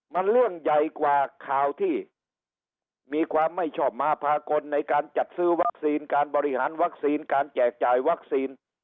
มันเรื่องใหญ่กว่าข่าวที่มีความไม่ชอบมาพากลในการจัดซื้อวัคซีนการบริหารวัคซีนการแจกจ่ายวัคซีน